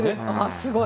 すごい。